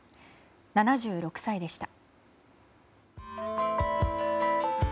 ７６歳でした。